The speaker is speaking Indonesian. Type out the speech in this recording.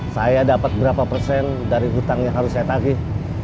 saya dapat berapa persen dari hutang yang harus saya tagih